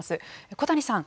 小谷さん